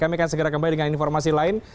kami akan segera kembali dengan informasi lain